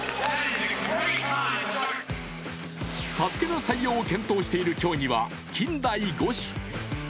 ＳＡＳＵＫＥの採用を検討している競技は近代五種。